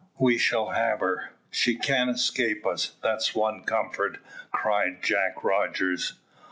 "We shall have her, she can't escape us, that's one comfort," cried Jack Rogers.